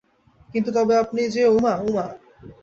কিন্তু তবে আপনি যে ওই উমা– উমা!